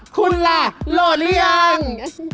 คุณล่ะโหลดหรือยัง